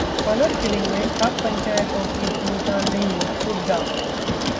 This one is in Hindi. ऑनर किलिंग में खाप पंचायतों की भूमिका नहीं: हुड्डा